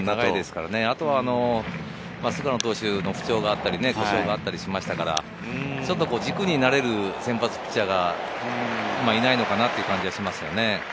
あとは菅野投手の不調があったり故障があったりしましたから、軸になれる先発ピッチャーがいないのかなという感じですね。